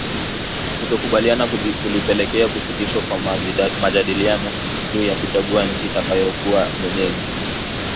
Kutokukubaliana kulipelekea kusitishwa kwa majadiliano juu ya kuchagua nchi itakayokuwa mwenyeji.